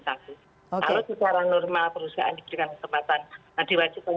kalau secara normal perusahaan diberikan kesempatan diwajibkan dari hal min tujuh